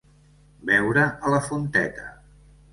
Beure a la fonteta.